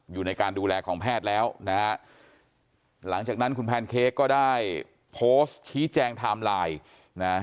อยู่ในการดูแลของแพทย์แล้วนะฮะหลังจากนั้นคุณแพนเค้กก็ได้โพสต์ชี้แจงไทม์ไลน์นะ